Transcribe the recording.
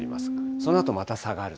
そのあとまた下がると。